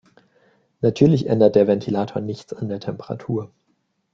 Natürlich ändert der Ventilator nichts an der Temperatur.